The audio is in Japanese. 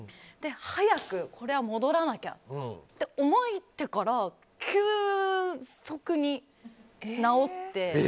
早くこれは戻らなきゃと思ってから急速に治って。